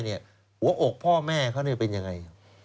หัวอกพ่อแม่เขาเป็นยังไง